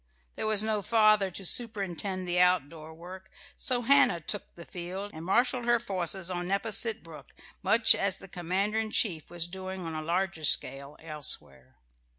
There was no father to superintend the outdoor work; so Hannah took the field, and marshalled her forces on Nepasset Brook much as the commander in chief was doing on a larger scale elsewhere.